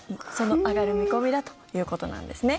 上がる見込みだということなんですね。